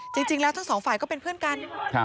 จริงแล้วทั้งสองฝ่ายก็เป็นเพื่อนกัน